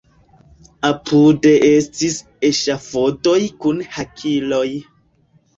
Apude estis eŝafodoj kun hakiloj.